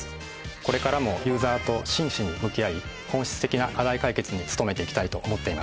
これからもユーザーと真摯に向き合い本質的な課題解決に努めていきたいと思っています。